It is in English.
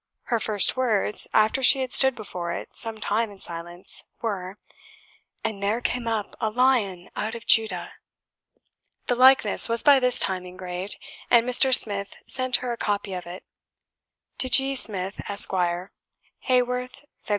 Her first words, after she had stood before it some time in silence, were, "And there came up a Lion out of Judah!" The likeness was by this time engraved, and Mr. Smith sent her a copy of it. To G. SMITH, ESQ. "Haworth, Feb.